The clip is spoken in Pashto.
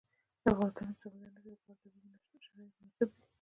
په افغانستان کې د سمندر نه شتون لپاره طبیعي شرایط مناسب دي.